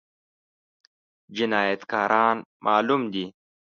جنايتکاران معلوم دي؟